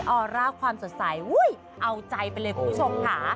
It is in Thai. อร่าความสดใสเอาใจไปเลยคุณผู้ชมค่ะ